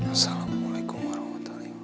assalamualaikum warahmatullahi wabarakatuh